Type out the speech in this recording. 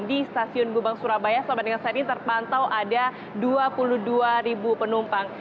di stasiun gubeng surabaya sobat dengan saya ini terpantau ada dua puluh dua penumpang